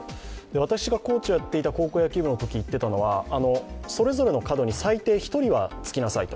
私がコーチをやっていた高校野球部ではそれぞれの角に最低１人はつきなさいと。